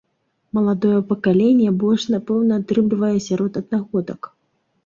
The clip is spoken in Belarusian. Маладое пакаленне больш, напэўна, атрымлівае сярод аднагодак.